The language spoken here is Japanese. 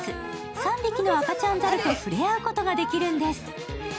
３匹の赤ちゃん猿とふれあうことができるんです。